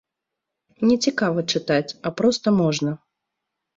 Не цікава чытаць, а проста можна.